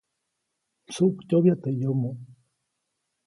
Msuʼktyoʼbya teʼ yomo.